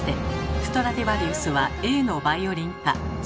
ストラディヴァリウスはＡのバイオリンです！